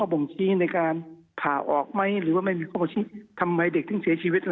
บ่งชี้ในการผ่าออกไหมหรือว่าไม่มีข้อชี้ทำไมเด็กถึงเสียชีวิตล่ะ